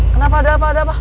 kenapa ada apa apa